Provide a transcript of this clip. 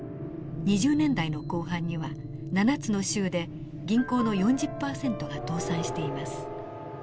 ２０年代の後半には７つの州で銀行の４０％が倒産しています。